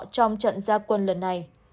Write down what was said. trong trận gia quân lần này